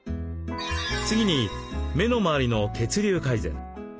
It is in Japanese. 次に目の周りの血流改善。